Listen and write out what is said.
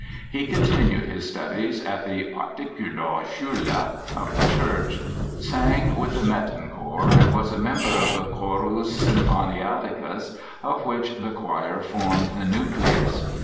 He continued his studies at the Partikular Schule of the church, sang with the Mettenchor and was a member of the Chorus Symphoniacus, of which the choir formed the nucleus.